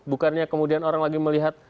bukannya kemudian orang lagi melihat